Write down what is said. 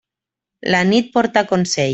La nit porta consell.